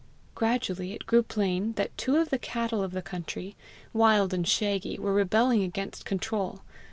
Gradually it grew plain that two of the cattle of the country, wild and shaggy, were rebelling against control.